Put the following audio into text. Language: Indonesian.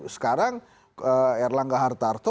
sekarang erlangga hartarto